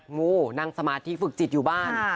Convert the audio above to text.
งูนั่งสมาธิฝึกจิตอยู่บ้าน